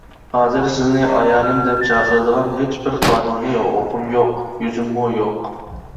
ھازىر سىزنى ئايالىم دەپ چاقىرىدىغان ھېچبىر قانۇنىي ھوقۇقۇم يوق، يۈزۈممۇ يوق!